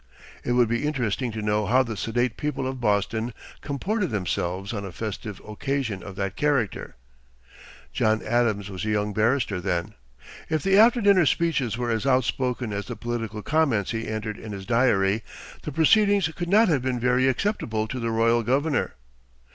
It would be interesting to know how the sedate people of Boston comported themselves on a festive occasion of that character. John Adams was a young barrister then. If the after dinner speeches were as outspoken as the political comments he entered in his Diary, the proceedings could not have been very acceptable to the royal governor.